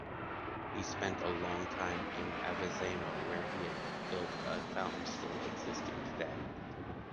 He spent a long time in Avezzano where he had built a fountain still existing today.